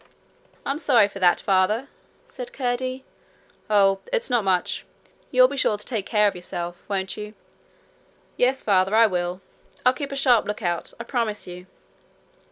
'I'm sorry for that, father,' said Curdie. 'Oh, it's not much. You'll be sure to take care of yourself, won't you?' 'Yes, father; I will. I'll keep a sharp look out, I promise you.'